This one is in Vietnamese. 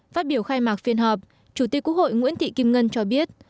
phát biểu khai mạc phiên họp chủ tịch quốc hội nguyễn thị kim ngân cho biết